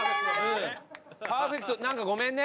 パーフェクトなんかごめんね。